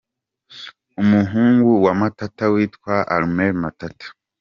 Umuhungu wa Matata witwa Armel Matata